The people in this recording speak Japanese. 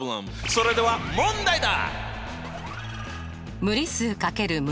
それでは問題だ！